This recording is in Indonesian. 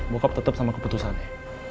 bokap tetep sama keputusannya